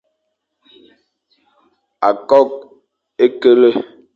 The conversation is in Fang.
Akok h e kele,